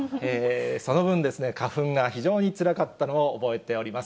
その分、花粉が非常につらかったのを覚えております。